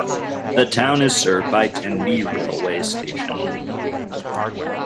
The town is served by Tenby railway station.